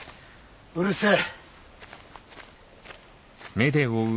うるせえ！